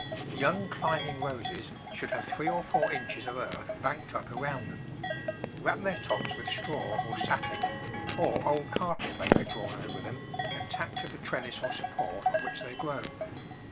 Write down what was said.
Young climbing Roses should have three or four inches of earth banked up around them; wrap their tops with straw or sacking, or old carpet may be drawn over them and tacked to the trellis or support on which they grow.